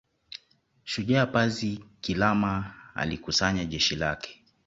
Shujaa Pazi Kilama alikusanya jeshi lake